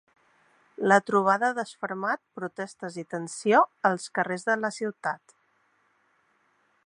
La trobada ha desfermat protestes i tensió als carrers de la ciutat.